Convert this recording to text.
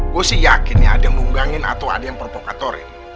gue sih yakin ya ada yang nunggangin atau ada yang provokatorin